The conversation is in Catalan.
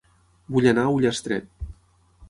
Vull anar a Ullastret